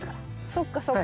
そっかそっか。